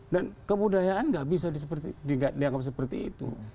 dan kebudayaan tidak bisa dianggap seperti itu